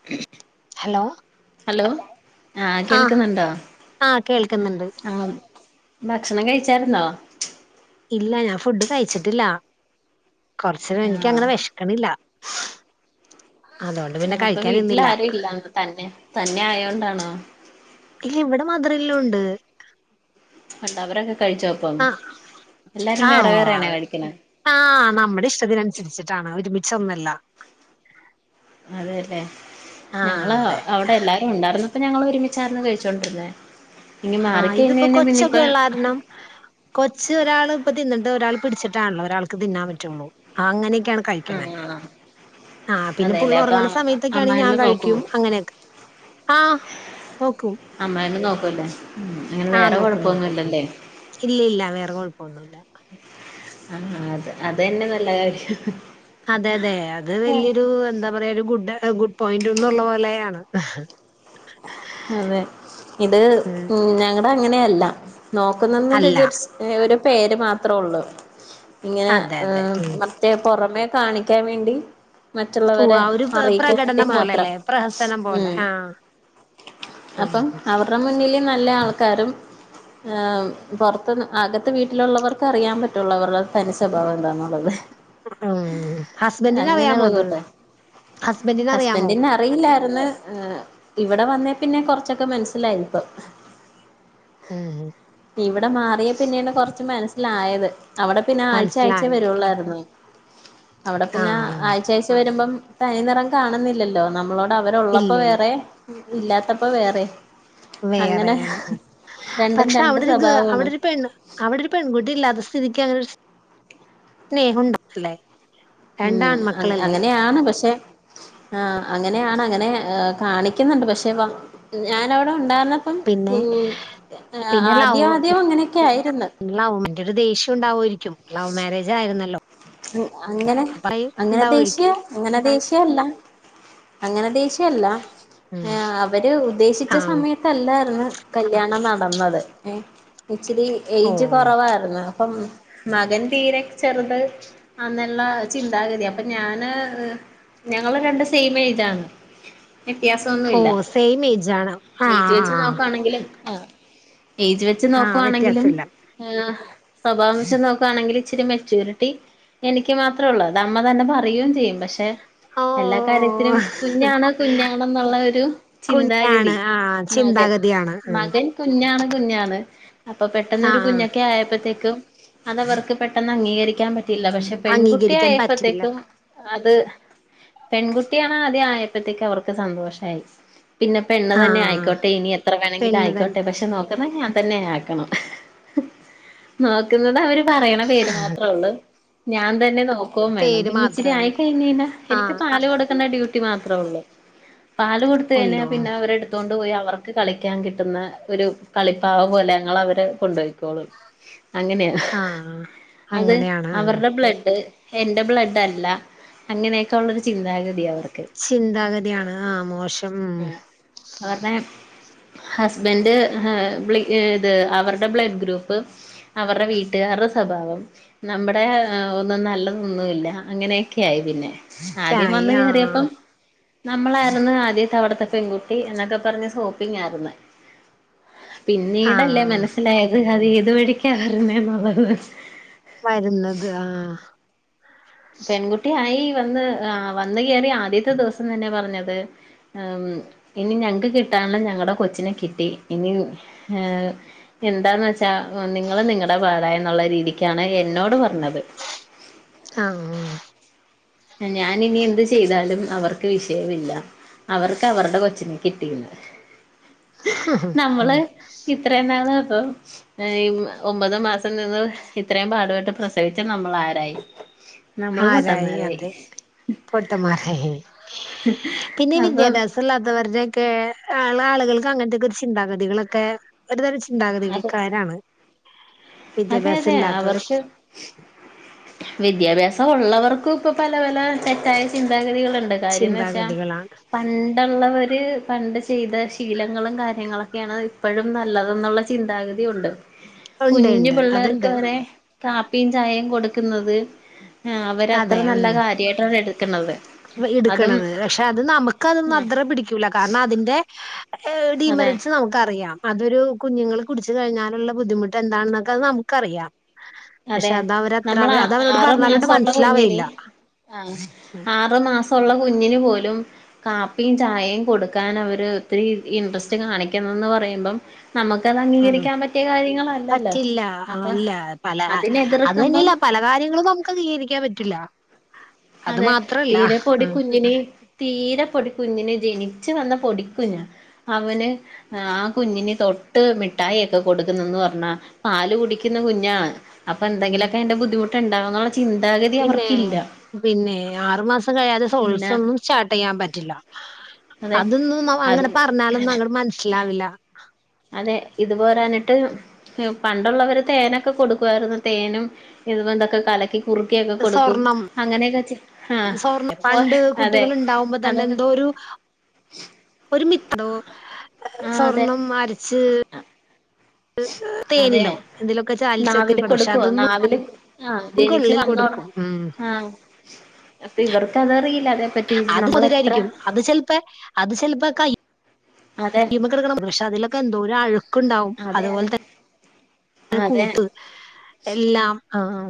[inaudible] Hello hello ആഹ് കേൾക്കുന്നുണ്ടോ ആഹ് കേൾക്കുന്നുണ്ട് ആഹ് ഭക്ഷണം കഴിച്ചാരുന്നോ ഇല്ല ഞാൻ ഫുഡ് കഴിച്ചിട്ടില്ല കൊറച്ച് കഴിഞ്ഞു ആഹ് എനിക്കങ്ങനെ വിഷക്ക്‌ണില്ല അപ്പൊ വീട്ടിൽ നിന്നില്ല ആരൂല്ല തന്നെ തന്നെ ആയതോണ്ടാണോ ഇല്ല ഇവിടെ മദർല്ലാണ്ട് അവരൊക്കെ കഴിച്ചോപ്പം ആഹ് എല്ലാരും വേറെ വേറെ ആണോ ആഹ് കഴിക്കണെ ആഹ് നമ്മുടെ ഇഷ്ടത്തിനനുസരിച്ചിട്ടാണ് ഒരുമിച്ചോന്നല്ല അതെല്ലേ ആഹ് ഞങ്ങള് അതെ അവിടെ എല്ലാരും ഉണ്ടായിരുന്നപ്പോ ഞങ്ങള് ഒരുമിച്ച് ഒരുമിച്ചായിരുന്നു കഴിച്ചോണ്ടിരുന്നേ ഇനി ആഹ് മാറിക്കഴിഞ്ഞ് ഇതിപ്പോ കഴിഞ്ഞാ പിന്നിപ്പ കൊച്ചൊക്കെഉള്ള കാരണം കൊച്ച് ഒരാൾ ഇപ്പ തിന്നിട്ട് ഒരാൾ പിടിച്ചിട്ടാണല്ലോ ഒരാൾക്ക് തിന്നാൻ പറ്റുള്ളൂ ആ അങ്ങനെയൊക്കെയാണ് കഴിക്കണേ അങ്ങനെ ആഹ് പിന്നെ പുള്ള ഉറങ്ങണ സമയത്തൊക്കെയ ആണെങ്കിൽ ഞാൻ അമ്മായിമ്മ നോക്കുവോ കഴിക്കും അങ്ങനെയൊക്കെ ആഹ് നോക്കും അമ്മ നോക്കൂല്ലേ അങ്ങനെ ആഹ് വേറെ നോക്കും നോക്കും ഉം. കൊഴപ്പൊന്നുല്ലല്ലേ ഇല്ല ഇല്ല വേറെ കൊഴപ്പൊന്നുല്ല ആഹ അത് അത് തന്നെ നല്ല കാര്യം അതെ അതെ അത് വലിയൊരു എന്താ പറയാ ഒരു ഗുഡ് ഗുഡ് പോയിന്റന്ന്ള്ള പോലെയാണ് അതെ ഇത് ഉം ഞങ്ങടെ അങ്ങനെയല്ല നോക്കുന്നെന്ന് അല്ല വിചരിച്ച് ഒരു പേര് മാത്രേ ഉള്ളൂ ഇങ്ങനെ അതെ അതെ ഉം. മറ്റേ പുറമെ കാണിക്കാൻ വേണ്ടി ഉവ്വ് മറ്റുള്ളവരെ ആ ഒരു പ- അറിയിക്കാൻ വേണ്ടി പ്രകടനം മാത്രം പോലെല്ലേ പ്രഹസനം ഉം പോലെ ആഹ്. ഉം. അപ്പം അവരടെ മുന്നില് നല്ല ആൾക്കാരും ആഹ് പൊറത്ത് അകത്ത് വീട്ടിലുള്ളവർക്ക് അറിയാൻ പറ്റുള്ളൂ അവരടെ തനി സ്വഭാവം എന്താന്നുള്ളത് അത് ഹസ്ബൻഡിന് അറിയാമോ അങ്ങനെയുള്ള ഇത് കൂട്ട ഹസ്ബൻഡിന് അറിയാമോ അറിയില്ലായിര്ന്ന് എഹ് - ഇവിടെ വന്നേ പിന്നെ കൊറച്ചൊക്കെ മനസ്സിലായത് ഇപ്പം ഉം ഇവിടെ മാറിയ പിന്നെയാണ് കൊറച്ച് മനസ്സിലായത് അവിടെ- പിന്നെ ആഴ്ച ആഴ്ചേ മനസ്സിലായത് വരുള്ളായിരുന്ന് അവിടെ പിന്നെ ആ ആഹ് ആഴ്ച ആഴ്ച്ച വരുമ്പം തനി നിറം കാണുന്നില്ലല്ലോ നമ്മളോട് അവരുള്ളപ്പോ ഇല്ല ഇല്ല വേറെ- ഇല്ലാത്തപ്പോ വേറെ അങ്ങനെ വേറെയൊ രണ്ടും പക്ഷെ രണ്ട് അവിടെരു ഗ് സ്വഭാവമാണ് അവിടെ ഒരു പെണ്ണ്- അവിടെ ഒരു പെൺകുട്ടി ഇല്ലാത്ത സ്ഥിതിക്ക് അങ്ങനൊരു സ്നേഹം ഇണ്ടാവാതില്ലേ ഉം അങ്ങ അങ്ങനെയാണ് പക്ഷെ- ആഹ് അങ്ങനെയാണ് അങ്ങനെ കാണിക്കുന്നുണ്ട് പക്ഷെ ഇപ്പ ഞാനവിടെ ഉണ്ടായിരുന്ന ഇപ്പം പിന്നെ ഉം അ ആദ്യം ആദ്യം അങ്ങനെയൊക്കെ ആയിരുന്ന് ന്നാവും അയിൻ്റെ ഒരു ദേഷ്യം ഉണ്ടാവുവേയിരിക്കും ലവ് മാര്യേജ് ആയിരുന്നല്ലോ അങ്ങനെ പറയും അങ്ങനെ ദേഷ്യ ഉണ്ടാവുമായിരിക്കും അങ്ങനെ ദേഷ്യയല്ല അങ്ങനെ ദേഷ്യയല്ല ഉം എഹ് അവര് ഉദ്ദേശിച്ച ആഹ് സമയ തല്ലായിരുന്ന് കല്യാണം നടന്നത് ഏഹ് ഇച്ചിരി ഓ ഏജ് കൊറവായിരുന്ന് ഇപ്പം മകൻ തീരെ ചെറുത്- ആന്ന് ഉള്ള ചിന്താഗതിയാ അപ്പൊ ഞാന്- ഞങ്ങള് രണ്ട് സെയിം എയ്ജാണ് വ്യത്യാസം ഓ ഒന്നുല്ല സെയിം ഏജ് ആണ് ഏയ്ജ് വെച്ച് ആഹ് നോക്കാണെങ്കിലും ആഹ് ഏയ്ജ് വെച്ച് ആഹ് നോക്കുവാണെങ്കിലും- വ്യത്യാസമില്ല എഹ് സ്വഭാവം വെച്ച് നോക്കുവാണെങ്കിലുംണെങ്കിൽ ഇച്ചിരി മെച്യൂരിറ്റി- എനിക്ക് മാത്രേ ഉള്ളൂ അത് അമ്മ തന്നെ പറയും ചെയ്യും ബ പക്ഷെ ഓ എല്ലാ ഓ കാര്യത്തിനും കുഞ്ഞാണ് കുഞ്ഞാണെന്നുള്ള ഒരു ചിന്താഗതി കുഞ്ഞാണ് ആഹ് മകൻ ചിന്താഗതിയാണ് ഉം മകൻ കുഞ്ഞാണ് കുഞ്ഞാണ് അപ്പൊ പെട്ടെന്നൊരു ആഹ് കുഞ്ഞൊക്കെ ആയപ്പോത്തേക്കും- അത് അവർക്ക് പെട്ടെന്ന് അംഗീകരിക്കാൻ പറ്റിയില്ല പക്ഷെ പെൺകുട്ടി അംഗീകരിക്കാൻ പറ്റിയില്ല ആയപ്പോത്തേക്കും- അത് പെൺകുട്ടിയാണ് ആദ്യം ആയപ്പോത്തേക്ക് അവർക്ക് സന്തോഷായി പിന്നെ- പെണ്ണ് തന്നെ ആഹ് ആയിക്കോട്ടെ ഇനി എത്ര വേണെങ്കിലും പെണ്ണ് തൻ ആയിക്കോട്ടെ പക്ഷെ നോക്ക ക്കുന്ന ഞാൻ തന്നെ ആക്കണം നോക്കുന്നത് അവര് പറയണ പേര് മാത്രേ ഉള്ളൂ ഞാൻ തന്നെ നോക്കോം വേണം പേര് പിന്നെ മാത്രേ ഇച്ചിരി ആയി ഉള്ളൂ കഴിഞ്ഞ ഴിഞ്ഞ എനിക്ക് ആഹ് പാല് കൊടു ക്കണ്ട ഡ്യൂട്ടി മാത്രോള്ളൂ പാല് കൊടുത്ത് കഴിഞ്ഞാൽ ഉള്ളൂ പിന്നെ അവരെടു ത്തോണ്ട് പോയി അവർക്ക് കളിക്കാൻ കിട്ടുന്ന ഒരു കളിപ്പാവ പോലങ്ങളെ അവര് കൊണ്ടോയി ക്കോള് അങ്ങനെയ ആഹ് അത്- അങ്ങനെയാണ് ആഹ് അവരുടെ ബ്ലഡ് എന്റെ ബ്ലഡ് അല്ല അങ്ങനെയൊക്കെ ഉള്ളൊരു ചിന്താഗതി അവർക്ക് ചിന്താഗതിയാണ് ആഹ് മോശം ഉം അവരുടെ ഹസ്ബൻഡ് ഇത് അവരുടെ ബ്ലഡ് ഗ്രൂപ്പ്- അവരുടെ വീട്ടുകാരുടെ സ്വഭാവം നമ്മടെ ഒന്നും നല്ലതൊന്നുല്ല അങ്ങനെയൊക്കെ ആയി പിന്നെ ആദ്യം ക്കായി വന്ന് ആഹ് കേറിയപ്പം- നമ്മളായിരുന്നു ആദ്യത്തെ അവിടത്തെ പെൺകുട്ടി എന്നൊക്കെ പറഞ്ഞ് സോപ്പിംഗായിരുന്ന് പിന്നീടല്ലേ ആഹ് മനസ്സിലായത് അത് ഏതു വഴിക്കാ വരുന്നേ എന്നുളളത് വര്ന്നത് ആഹ് പെൺകുട്ടി ആയി വന്ന് ആഹ് വന്ന്കേറി ആദ്യത്തെ ദിവസം തന്നെ പറഞ്ഞത് ആം ഇനി ഞങ്ങ്ക്ക് കിട്ടാന്ള്ള ഞങ്ങടെ കൊച്ചിനെ കിട്ടി ഇനി ഏഹ് എന്താന്ന് വെച്ചാ എഹ് നിങ്ങള് നിങ്ങടെ പാടയിന്ന്ള്ള രീതിക്കാണ് എന്നോട് പറഞ്ഞത് ആഹ് എഹ് ഞാനിനി എന്ത് ചെയ്താലും അവർക്ക് വിഷയവില്ല അവർക്ക് അവർടെ കൊച്ചിനെ കിട്ടീന്ന് ആഹ് നമ്മള് ഇത്രേനാളും അപ്പം ഏഹ് ഉം ഒമ്പത് മാസം നിന്ന് ഇത്രയും പാടുപെട്ട് പ്രസവിച്ച നമ്മളാരായ് നമ്മള് ആരായി പൊട്ടന്മാരായ് അതെ പൊട്ടന്മാരായി പിന്നീ അപ്പം വിദ്യാഭ്യാസം തല്ലാത്തവർടെക്കേ ഏഹ് ആള്കൾക്ക് അങ്ങൻത്തെക്കൊര് ചിന്താഗതികളക്കെ ഒരുതരം അത് ചിന്താഗതികൾക്കാരാണ് അതെ വിദ്യാഭ്യാസം അതെ ഇല്ലാത്തവർ ആവർക്ക് വിദ്യാഭ്യാസം ഒള്ളവർക്കും ഇപ്പൊ പല പല തെറ്റായ ചിന്താഗതികള്ണ്ട് കാര്യംന്ന് വെച്ചാ ചിന്താഗതികളാണ് പണ്ടൊള്ളവര് പണ്ട് ചെയ്ത ശീലങ്ങളും കാര്യങ്ങളൊക്കെയാണ് ഇപ്പോഴും നല്ലതെന്നുള്ള ചി ചിന്താഗതി ഒണ്ട് ഒണ്ടേണ്ട് പിള്ളേർക്കങ്ങനെ കാപ്പിം ചായേം കൊടുക്കുന്നത് ആഹ് അവര് അത്ര നല്ല കാര്യ തേട്ടതേത് വേ എട്ക്കണത് പക്ഷെ അത് നമുക്കതൊന്നും അത്ര പിടിക്കൂല കാരണം അതിന്റെ ഏഹ് അതെ ഡിമെറിട്സ് നമുക്കറിയാം അതൊരു കുഞ്ഞുങ്ങള് കുടിച്ച് കഴിഞ്ഞാലൊള്ള ബുദ്ധിമുട്ട് എന്താണെന്നക്കെ അത് നമുക്കറിയാം അതെ പക്ഷെ അത് അവരത്ര നമ്മൾ അവ അത് അവരോട് ആറ് പറഞ്ഞാലൊട്ട് മാസമുള്ള കുഞ്ഞിന് മനസ്സിലാവേയില്ല ആഹ് ആറ്മാസൊള്ള കുഞ്ഞിന് പോലും കാപ്പിം ചായേം കൊടുക്കാനവര് ഒത്തിരീ ഇൻട്രെസ്റ്റ് കാണിക്കുന്നന്ന് പറയുമ്പം നമുക്കത് ഉം അംഗീകരിക്കാൻ പറ്റിയ കാര്യങ്ങളല്ലല്ലോ പറ്റില്ല അപ്പൊ അല്ല അതിനെതിർക്കുമ്പം കാര്യങ്ങള് നമുക്കഗീകരിക്കാൻ പറ്റില്ല അത് അതെ മാത്രല്ല തീരെ പൊടി ആഹ് കുഞ്ഞിന് തീരെ പൊടി കുഞ്ഞിന് ജനിച്ചു വന്ന പൊടിക്കുഞ്ഞാ അവന് ആഹ് ആ കുഞ്ഞിന് തൊട്ട് മിഠായിയൊക്കെ കൊടുക്കുന്ന്ന്ന് പറഞ്ഞാ പാല് കുടിക്ക്ന്ന കുഞ്ഞാണ് അപ്പന്തെങ്കിലൊക്കെ അയിന്റെ ബുദ്ധിമുട്ടുണ്ടാകുന്നുള്ള ചിന്താഗതി പിന്നെ അവർക്കില്ല പിന്നെ ആറുമാസം കഴിയാതെ പിന്നെ സോളിഡ്‌സൊന്നും സ്റ്റാർട്ട് ചെയ്യാൻ പറ്റില്ല അതെ അത് അതൊന്നുംമവങ്ങനെ പറഞ്ഞാലൊന്നും അങ്ങട് മനസ്സിലാവില്ല അതെ ഇത് പോരാന്ട്ട് എഹ് പണ്ടൊള്ളവര് തേനൊക്കെ കൊടുക്കുവാരുന്നു തേനും ഇതപോന്തൊക്കെ കലക്കി കുറുക്കിയെക്കെ കൊടുക്കും അങ്ങനെയൊക്കെ ചെയ് സ്വർണ് പണ്ട് കുട്ടികളുണ്ടാവുമ്പോ തന്നെ അതൊക്കെ എന്തോരു ഒര് മിത്രോ ആഹ് അതെ സ്വർണം അരച്ച് അതെ തേനിലോ എന്തിലൊക്കെ ചാലിച്ചൊക്കെ നാവില് കൊടു പക്ഷെ കൊടുക്ക്വൊ അതൊന്നും നാവില് ആഹ് ജനിച്ച് കൊള്ളിൽ വന്നൊട കൊടുക്കും ഉം ആഹ് അപ്പ ഇവർക്കതറിയില്ല അതെ പറ്റ് അത് കുതിരാരിക്കും അത് ചെലപ്പെ അത് ചെലപ്പേ കയ് അതേ പക്ഷെ അതിലൊക്കെ എന്തോരം അഴുക്ക്ണ്ടാവും അതെ അത് അതെ പോലെതൻ ആഹ് അതെ കൂട്ട് എല്ലാം ആഹ്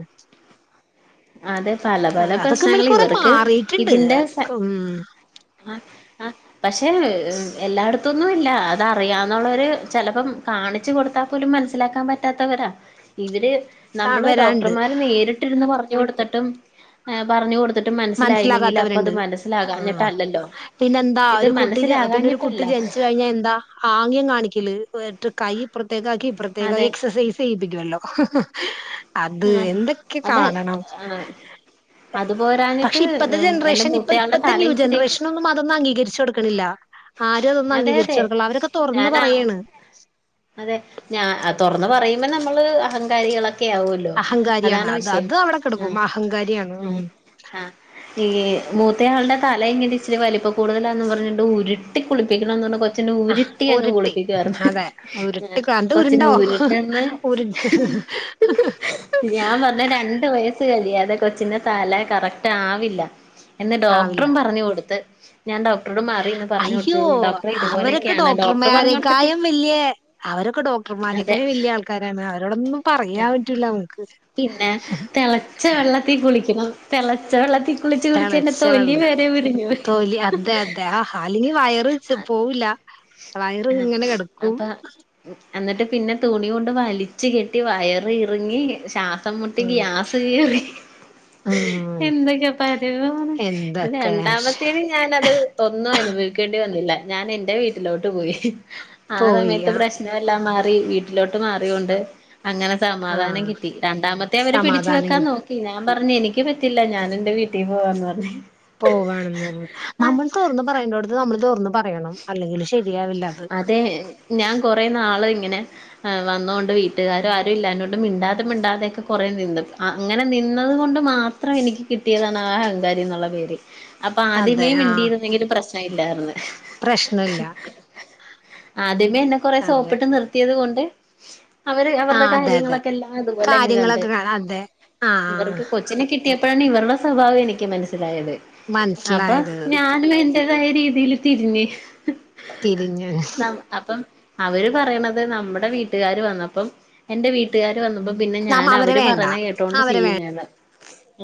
അതെ പല പല അതൊക്കെ ഇമ്മല് പ്രശ്നങ്ങള് കൊറേ ഇവർക്ക് മാറിയിട്ടുണ്ട് ഇതിന്റെ ഉം അഹ് അഹ് പക്ഷെ ഏ് എല്ലായിടത്തുന്നുല്ല അതറിയാന്നുള്ളോര് ചെലപ്പം കാണിച്ച് കൊട്ത്താ ത്താപോലും മനസ്സിലാക്കാൻ പറ്റാത്തവരാ ഇവര് ആഹ് നമ്മള് വരാണ്ട് ഡോക്ടർമാര് നേരിട്ടിരുന്ന് പറഞ്ഞു കൊടുത്ത്ട്ടും ഏ് പറഞ്ഞ്കൊട് മനസ്സിലാകാത്തവര്ണ്ട് ആഹ് ആഹ് മനസ്സിലാകാഞ്ഞിട്ടല്ലല്ലോ പിന്നെന്താ ഇത് ഒരു കുട്ടി ജനി പിന്നെ ഒരു കുട്ടി മനസ്സിലാകാഞ്ഞിട്ടല്ല ജനിച്ച് കഴിഞ്ഞാ എന്താ ആങ്ങ്യം കാണിക്കല് ന്ന്ട്ട് കൈ ഇപ്പർത്തേക്കാക്കി ഇപ്പർത്തേക്കാക്കി അതെ എക്സസൈസ് ചെയ്യിപ്പിക്കെല്ലോ അത് ആഹ് എന്തെക്കെ അതെ കാണണം ആഹ് അത് പക്ഷെ പോരാഞ്ഞിട്ട് ഇപ്പത്തെ എന്റെ ജനെറേഷൻ ഇപ്പ മൂത്തയാളുടെ ഇപ്പത്തെ തല ഇച്ചിരി ന്യൂജെനറേഷനൊന്നും ന്നും അതൊന്നും അംഗീകരിച്ചൊട്ക്ക്ണില്ല ആരും അതെ അതെ അംഗീംകര്ച്ചൊട്ക്ക്ൺല്ല അവരൊക്കെ തൊർന്ന് ഞാനാ പറയാണ് അതെ ഞാ തൊറ്ന്ന് പറയുമ്പെന്നെ നമ്മള് അഹങ്കാരികളൊക്കെ ആവൊ ല്ലോ അഹങ്കാരിയാണ് അതാണ് അത് വിഷയം അത് അവിടെ ആഹ് കിടക്കും അഹങ്കാരിയാണ് ആഹ് ഉം ആഹ് ഈ മൂത്തയാളുടെ തല ഇങ്ങനെച്ചിരി വൽപ്പം കൂടുതലാന്ന് പറ്ഞ്ഞിണ്ട് ഉരുട്ടി കുളിപ്പിക്കണംന്നർഞ് കൊഴപ് ച്ഛന് ഉരുട്ടിയങ്ങ് ഉരുട്ടി കുളിപ്പിക്കാർന്ന് അതെ ഉരുട്ടി അത് പ്പച്ഛന് ഉരുണ്ടോ ഉരുട്ട്ന്ന് ഉരുണ്ട് ഞാൻ പറ്ഞ്ഞ് രണ്ട് വയ ചെര്യാതെ കൊച്ചിന്റെ തല കറക്റ്റ് ആവില്ല എന്ന് ആവില്ല ഡോക്ടറും പറ്ഞ്ഞ് കൊട്ത്ത് ഞാൻ ഡോക്ടറോട് മാറിന്ന് പറ്ഞ്ഞ് കൊട് യ്യോ അവരെക്കെ കൊടുത്തിട്ട് ഡോക്ടർമേരക്കായും വെല്ല്യെ അവരൊക്കെ അതെ ഡോക്ടർമാരേക്കായും വെല്ല്യെ ആൾക്കാ ക്കാരാണ് അവരോടൊന്നും പറയാൻ പറ്റൂല നമുക്ക് ത്തീ കുളിക്കെണം തെളച്ച വെള്ളത്തീ കുളിച്ച് കുളിച്ചെൻ്റെ തിളച്ച തൊലി വെള്ളം വെരെ ഉര്ഞ്ഞ്പോയ് താലിനി വയറ് ത് പോവ്വൂല്ല ആഹ് വയർങ്ങനെ കെട്ക്കും അപ്പൊ എന്നിട്ട് പിന്നെ തുണി കൊണ്ട് വലിച്ച് കെട്ടി വയറ് ഇറിങ്ങി ശാ സംമ്മുട്ടി ഉം. ഗ്യാസ് കേറി ഉം. എന്തൊക്കെ പരിതമാണ് എന്തൊക്കെ രണ്ടാമത്തേന് ഞാനത് ഒന്നൊനുഭവിക്കേണ്ടി വന്നില്ല ഞാൻ എന്റെ വീട്ടിലോട്ട് പോയി ആ പോയി സമയത്ത് ആ പ്രെശ് നെല്ലാം മാറി വീട്ടിലോട്ട് മാറ്യോണ്ട് അങ്ങനെ ആ സമാധാനം കിട്ടി രണ്ടാമത്തെ അവര് പിടിച്ച് സമാധാനം വെക്കാൻ കിട്ടി നോക്കി ഞാൻ പറ്ഞ്ഞ് എനിക്ക് പറ്റില്ല ഞാനെന്റെ വീട്ടീ പോവാന്ന് പർഞ്ഞ് പോകാനണെന്ന് പറ്ഞ്ഞ് നമ്മള് തോർന്ന് പറയണ്ടോട്ത്ത് നമ്മള് തൊർന്ന് പറയണം അല്ലെങ്കിൽ ശരി അതേ ഞാൻ കൊറേ നാള്ങ്ങനെ ഏ് വന്നോണ്ട് വീട്ട്കാര് ആരും ഇല്ലാഞ്ഞോണ്ട് മിണ്ടാതെ മിണ്ടാതെക്കെ കൊറെ നിന്ന് അങ്ങനെ നിന്നത് കൊണ്ട് മാത് ത്രം എനിക്ക് കിട്ടിയതാണ് ആ അഹങ്കാരിന്നുള്ള പേര് അതെ അപ്പാദ്യമേ ആ മിണ്ടിയിരുന്നെങ്കില് പ്രെശ്നവില്ലായ്ര്ന്ന് പ്രശ്നമില്ല ആദ്യമേ എന്നെ കൊറെ അതെ സോപ്പിട്ട് നിർത്തിയത് കൊണ്ട് അവര് ആ അവരുടെ അതെ അതെ കാര്യങ്ങളക്കെല്ലാം ഇത്പോലെങ്ങ് കണ്ട് കാര്യങ്ങളൊക്കെ കാണാം അതെ ആ ആ അവർക്ക് കൊച് ച്ഛ്നെ കിട്ടിയപ്പഴാണ് ഇവറ്ടെ സ്വഭാവം എനിക്ക് മനസ്സിലായത് അപ്പൊ മനസ്സിലായത് ഞാനും എൻ എൻ്റേതായ രീതിയില് തിരിഞ്ഞ് തിരിഞ്ഞ് ന്നം അപ്പം അവര് പറയ്ണത് നമ്മ്ടെ വീട്ട്കാര് വന്നപ്പം എന്റെ വീട്ട്കാര് വന്നപ്പം പിന്നെ നമ്മ അവരെ ഞാനവര് വേണ്ട പറീണെ കേട്ടോണ്ട് ചെയ്യുന്നേന്ന്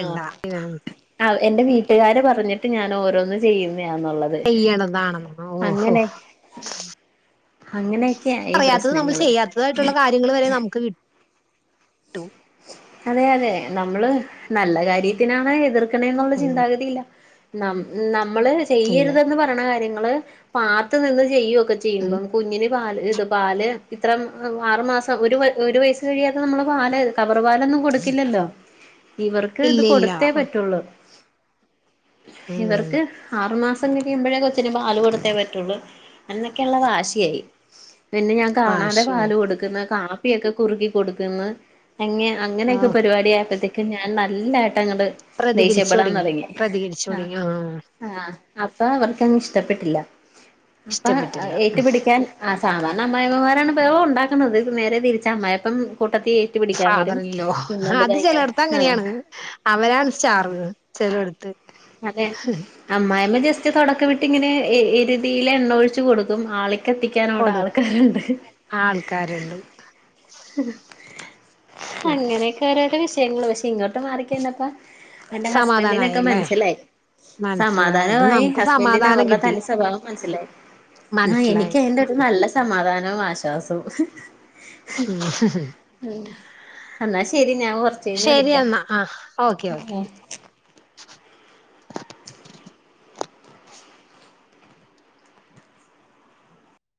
ഇണ്ടാ ഇവര് ആഹ് എന്റെ വീട്ട്കാര് പറഞ്ഞിട്ട് ഞാൻ ഓരോന്ന് ചെയ്യുന്ന്യാന്നുള്ളത് ചെയ്യണതാണെന്ന് ഓഹോ അങ്ങെനെ അങ്ങെനെ അറയാത്തത് നമ്മൾ ചെയ്യാത്തതായ്ട്ടുള്ള കാര്യങ്ങൾ വരെ നമുക്ക് കിട്ടും അതെ അതെ നമ്മൾ നല്ല കാര്യത്തിനാണ് എതിർക്ക്ണെന്നുള്ള ഉം, ചിന്താഗതില്ലാ നം നമ്മൾ ഇല്ല ചെയ്യരുതെന്ന് പറിണെ കാര്യങ്ങൾ പാത്ത് നിന്ന് ചെയ്യൊ ക്കെ ഉം, ചെയ്യുമ്പം കുഞ്ഞിന് പാൽ ഇത് പാൽ ഇത്ര മാസം ഒരു വയ് വയ്സ്സ് കഴിയാതെ നമ്മളെ പാൽ കവ റവാലൊന്നും കൊടുക്കില്ലല്ലോ ഇവർക്ക് ത് ഇല്ല ഇല്ല കൊടുത്തേ ആ, പറ്റുള്ളൂ ഉം, ഇവർക്ക് ആറു മാസ് പ്പം തിരിയുമ്പൊഴേ കൊച്ചിന് പാൽ കൊടുത്തേ പറ്റൊള്ളൂ അന്നെക്കെള്ള വാശ്യായി പിന്നെ ഞാ കാണാതെ വാശി പാൽ കൊടുക്കുന്ന് കാപ്പിയൊക്കെ കുറുകി കൊടുക്കുന്ന് എങ്ങെ ആ അങ്ങനെക്കെ പരിപാട്യായപ്പഴത്തേക്ക് ഞാൻ നല്ലായിട്ടങ്ങട് പ്രതികരിച്ചു ദേഷ്യപ്പെടാൻ തുടങ്ങി തൊട്ങ്ങി പ്രതികരിച്ചു ആഹ് തുടങ്ങി ആ ആഹ് അപ്പവർക്കങ്ങ് ഇഷ്ടപ്പെട്ടില്ല അപ്പം ഇഷ്ടപ്പെട്ടില്ല ഏറ്റുപിടിക്കാൻ ആ സാധാരണ അമ്മായമ്മമാരാണ് ഇപ്പോ ഉണ്ടാക്കുന്നത് നേരെ തിരിച്ച അമ്മായിപ്പം കൂട്ടത്തി പിടിക്കാൻ വരും ഫാദറിലോ പിന്നെത് അത് കയ്ഞ്ഞ ചിലയിടത്ത് ആ അങ്ങനെയാണ് അവരാണ് സ്റ്റാർ ചിലയിടത്ത് അതെ അമ്മായിമ്മ ജസ്റ്റ് തോടക്കം വിട്ട് ഇങ്ങനെ ഇരുതീയിൽ എണ്ണ ഒഴിച്ചു കൊടുക്കും ആള ക്കെ എത്തിക്കാനവിടെ കൊടുക്കും ആൾക്കാരുണ്ട് ആൾക്കാരുണ്ട് അങ്ങനെയൊക്കെ ഓരോരോ വിഷയങ്ങള് പക്ഷെ ഇങ്ങോട്ട് മാറിക്കയ്ഞപ്പ എന്റെ ഹസ്ബന്റിനൊക്കെ സമാധാനായല്ലേ മനസ്സിലായി മനസ്സിലായത് സമാധാനമായി നമുക്ക് ഹസ്ബന്റിന് സമാധാനം അവരുടെ കിട്ടി തനി സ്വഭാവം മനസ്സിലായി ആ മനസ്സിലായി. എനിക്ക് എന്റെ നല്ല സമാധാനവും ആശ്വാസവും [unintelligible] ഉമ് എന്നാ ശരി ഞാൻ കൊറച്ച് കഴിഞ്ഞ് ശരി വിളിക്കാം എന്നാ. ആഹ് ഓക്കെ ഓക്കെ.